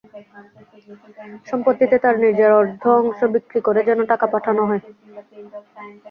সম্পত্তিতে তার নিজের অর্ধ অংশ বিক্রি করে যেন টাকা পাঠানো হয়।